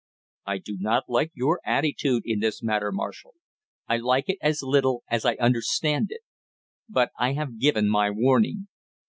"I do not like your attitude in this matter, Marshall; I like it as little as I understand it. But I have given my warning.